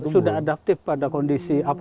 sudah adaptif pada kondisi